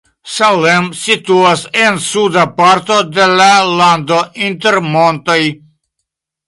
Salem situas en suda parto de la lando inter montoj.